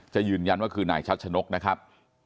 จะยืนยันว่าคือนายชัดชนกนะครับ